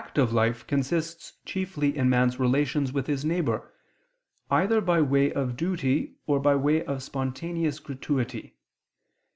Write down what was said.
Active life consists chiefly in man's relations with his neighbor, either by way of duty or by way of spontaneous gratuity.